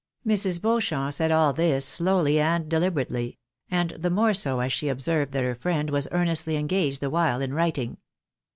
Mrs. Beauchamp said all this slowly and deliberately ; and the more so, as she observed that her friend was earnestly engaged the while in writing.